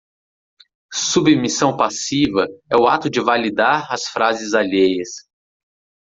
submissão passiva é o ato de validar as frases alheias